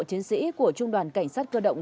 chiến sĩ của trung đoàn cảnh sát cơ động